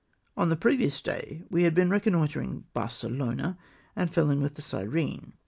On the previous day we had been reconnoitring Barcelona, and fell in with the Cyrene.